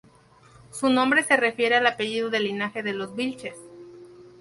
Su nombre se refiere al apellido del linaje de los Vilches.